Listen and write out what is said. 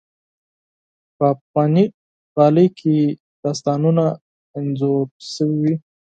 په افغاني غالۍ کې داستانونه انځور شوي وي.